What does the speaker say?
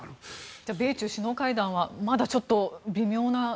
じゃあ、米中首脳会談はまだちょっと微妙な。